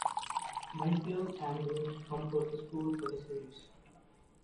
Michael Andrews composed the score for the series.